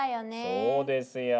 そうですよ。